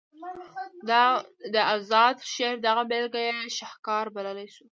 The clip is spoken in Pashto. د اذاد شعر دغه بیلګه یې شهکار بللی شو.